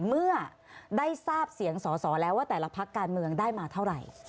เมื่อได้ทราบเสียงสอสอแล้วว่าแต่ละพักการเมืองได้มาเท่าไหร่